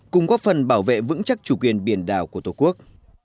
cùng góp phần bảo vệ vững chắc chủ quyền biển đảo của tổ quốc